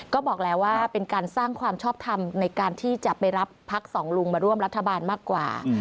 ก็บอกแล้วว่าเป็นการสร้างความชอบทำในการที่จะไปรับพักสองลุงมาร่วมรัฐบาลมากกว่า